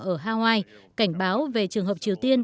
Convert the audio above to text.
ở hawaii cảnh báo về trường hợp triều tiên